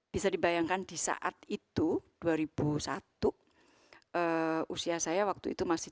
bisa dibayangkan di saat itu dua ribu satu usia saya waktu itu masih